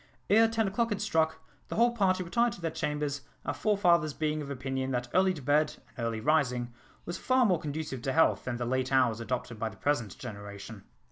Ere ten o'clock had struck, the whole party retired to their chambers, our forefathers being of opinion that early to bed and early rising was far more conducive to health than the late hours adopted by the present generation.